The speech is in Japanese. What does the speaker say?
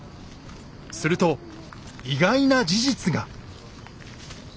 すると意外な事実が。